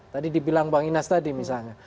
tadi dibilang bang inas tadi misalnya